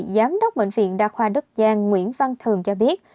giám đốc bệnh viện đa khoa đức giang nguyễn văn thường cho biết